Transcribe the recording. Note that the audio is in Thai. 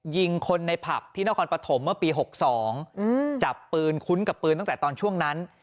ยิงคนในผับที่นครปฐมเมื่อปี๖๒จับปืนคุ้นกับปืนตั้งแต่ตอนช่วงนั้น